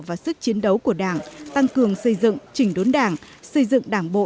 và sức chiến đấu của đảng tăng cường xây dựng chỉnh đốn đảng xây dựng đảng bộ